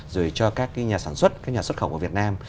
rồi cho các cái nhà sản xuất các nhà xuất khẩu của việt nam